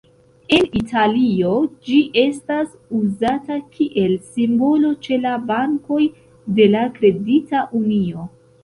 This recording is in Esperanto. En Italio ĝi estas uzata kiel simbolo ĉe la bankoj de la Kredita Unio.